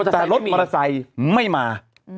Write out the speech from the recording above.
แต่รถมอเตอร์ไซค์ไม่มา